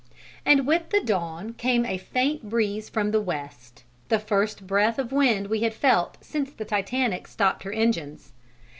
And with the dawn came a faint breeze from the west, the first breath of wind we had felt since the Titanic stopped her engines.